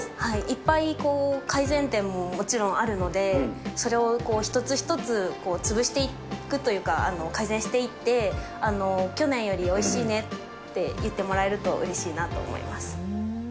いっぱい改善点ももちろんあるので、それを一つ一つ潰していくというか、改善していって、去年よりおいしいねって言ってもらえるとうれしいなと思います。